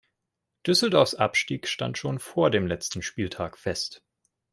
Düsseldorfs Abstieg stand schon vor dem letzten Spieltag fest.